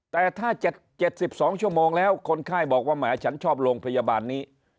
แต่ถ้า๗๒ชั่วโมงแล้วคนไข้บอกว่าแหมฉันชอบโรงพยาบาลนี้